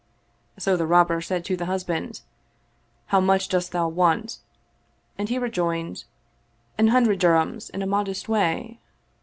So the Robber said to the husband, " How much dost thou want? " and he rejoined, " An hundred dirhams in a modest way."